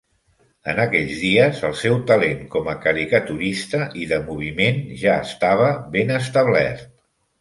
En aquells dies, el seu talent com a caricaturista i de moviment ja estava ben establert.